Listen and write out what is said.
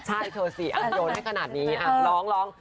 ใช่คือสิโยนให้ขนาดนี้ร้องร้อง